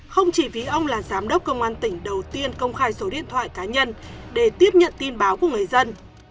không chỉ vì ông là giám đốc công an tỉnh đầu tiên công khai số điện thoại cá nhân để tiếp nhận tin báo của người dân